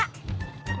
kalo tadi liat